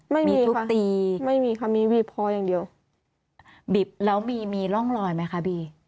ไม่มีทุบตีไม่มีค่ะมีบีบคออย่างเดียวบีบแล้วมีมีร่องรอยไหมคะบี